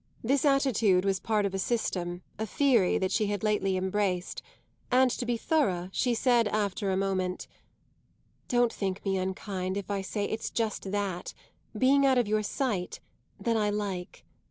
This attitude was part of a system, a theory, that she had lately embraced, and to be thorough she said after a moment: "Don't think me unkind if I say it's just that being out of your sight that I like.